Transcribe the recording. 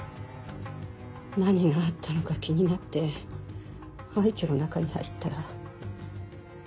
何があったのか気になって廃虚の中に入ったら。